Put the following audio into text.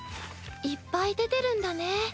いっぱい出てるんだね。